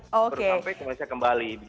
baru sampai kembali